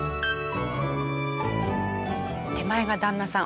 手前が旦那さん。